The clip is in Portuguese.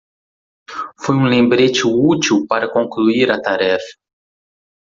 Foi um lembrete útil para concluir a tarefa.